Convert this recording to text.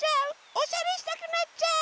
おしゃれしたくなっちゃう！